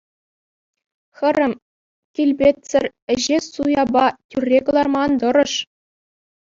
Хӗрӗм, килпетсӗр ӗҫе суяпа тӳрре кӑларма ан тӑрӑш.